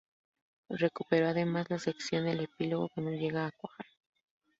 Recuperó además la sección El epílogo, que no llegó a cuajar.